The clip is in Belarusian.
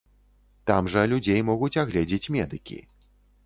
Там жа людзей могуць агледзець медыкі.